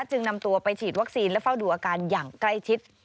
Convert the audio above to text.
จึงนำตัวไปฉีดวัคซีนและเฝ้าดูอาการอย่างใกล้ชิด